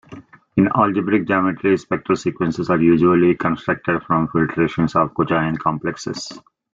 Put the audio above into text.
In algebraic geometry, spectral sequences are usually constructed from filtrations of cochain complexes.